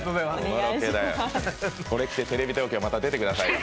これ着てテレビ東京また出てくださいね。